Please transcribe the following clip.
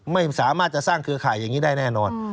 ไม่สามารถจะสร้างเครือข่ายอย่างนี้ได้แน่นอน